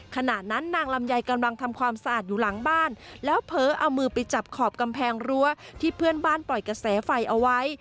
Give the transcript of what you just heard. ขณะนั้นนางลำไยกำลังทำความสะอาดอยู่หลังบ้านแล้วเผลอเอามือไปจับขอบกำแพงรั้วที่เพื่อนบ้านปล่อยกระแสไฟเอาไว้